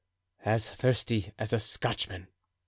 "As thirsty as a Scotchman!"